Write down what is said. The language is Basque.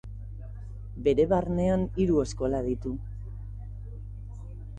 Bere barnean hiru eskola ditu.